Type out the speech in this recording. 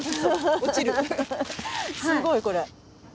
すごいこれ。